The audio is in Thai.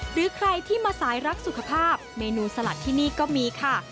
หรือใครที่มาสายรักสุขภาพเมนูสลัดที่นี่ก็มีค่ะ